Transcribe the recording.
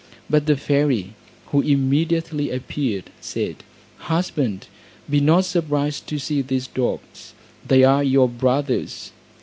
But the fairy, who immediately appeared, said, "Husband, be not surprised to see these dogs, they are your brothers."